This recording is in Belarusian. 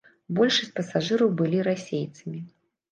Большасць пасажыраў былі расейцамі.